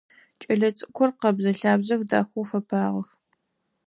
Кӏэлэцӏыкӏухэр къэбзэ-лъабзэх, дахэу фэпагъэх.